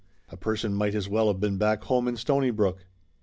A person might as well of been back home in Stony brook